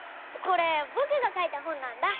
これぼくがかいた本なんだ！